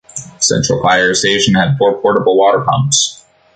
Central Fire Station had four portable water pumps.